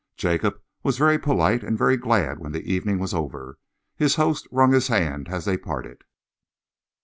Jacob was very polite and very glad when the evening was over. His host wrung his hand as they parted.